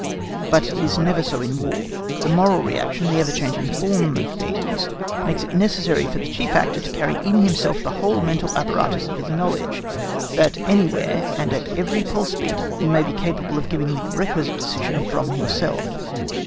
But it is never so in War. The moral reaction, the ever changeful form of things, makes it necessary for the chief actor to carry in himself the whole mental apparatus of his knowledge, that anywhere and at every pulse beat he may be capable of giving the requisite decision from himself.